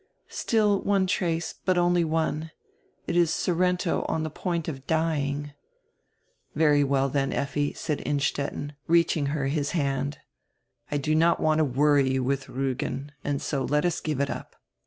"Still one trace, hut only one. It is Sorrento on die point of dying." "Very well, then, Lffi," said Innstetten, reaching her his hand. "I do not want to worry you widi Riigen and so let us give it up.